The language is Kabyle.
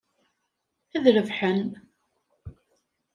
Ad rebḥen.